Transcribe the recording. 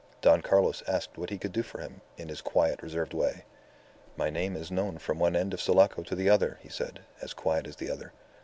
Don Carlos asked what he could do for him, in his quiet, reserved way. "'My name is known from one end of Sulaco to the other,' he said, as quiet as the other.